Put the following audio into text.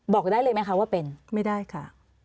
บอกได้เลยไหมคะว่าเป็นไม่ได้ค่ะ